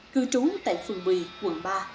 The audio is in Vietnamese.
cư trú tại phường một mươi quận ba